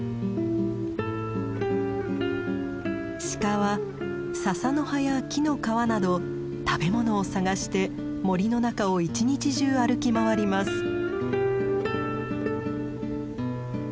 シカはササの葉や木の皮など食べ物を探して森の中を一日中歩き回ります。